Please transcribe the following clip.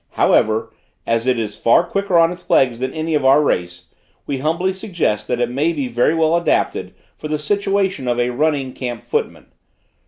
However, as it is far quicker on its legs than any of our race, we humbly suggest, that it is very well adapted for the situation of a running camp footman.